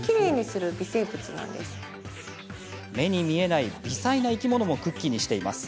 目に見えない微細な生き物もクッキーにしています。